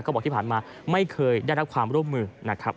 ก็บอกที่ผ่านมาไม่เคยได้รับความร่วมมือนะครับ